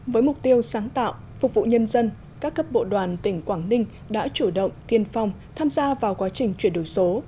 với mục tiêu sáng tạo phục vụ nhân dân các cấp bộ đoàn tỉnh quảng ninh đã chủ động tiên phong tham gia vào quá trình chuyển đổi số